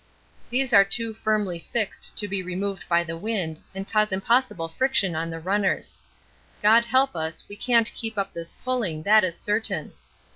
These are too firmly fixed to be removed by the wind and cause impossible friction on the runners. God help us, we can't keep up this pulling, that is certain.